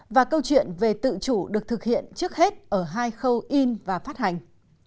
và câu chuyện về tự chủ được thực hiện trước hết ở hai khâu in và phát hành